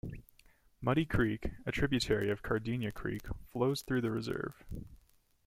Muddy Creek, a tributary of Cardinia Creek flows through the reserve.